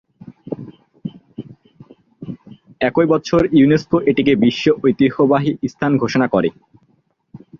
একই বছর ইউনেস্কো এটিকে বিশ্ব ঐতিহ্যবাহী স্থান ঘোষণা করে।